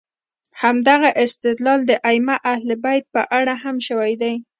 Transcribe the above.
همدغه استدلال د ائمه اهل بیت په اړه هم شوی دی.